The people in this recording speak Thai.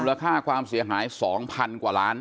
ราคาความเสียหาย๒๐๐๐กว่าล้าน